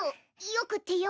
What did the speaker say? よくってよ。